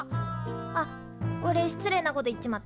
あっおれ失礼なこと言っちまった。